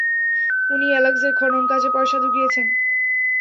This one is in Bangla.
উনিই অ্যালেক্সের খননকাজের পয়সা জুগিয়েছেন!